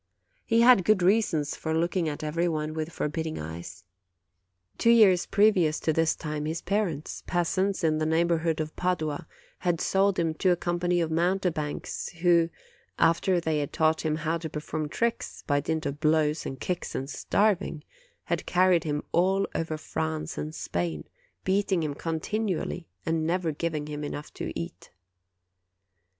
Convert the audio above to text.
He had good reasons for looking at every one with forbidding eyes. Two years previ ous to this time his parents, peasants in the neighbor hood of Padua, had sold him to a company of mounte banks, who, after they had taught him how to perform tricks, by dint of blows and kicks and starving, had carried him all over France and Spain, beating him continually and never giving him enough to eat.